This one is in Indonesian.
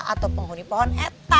atau penghuni pohon eta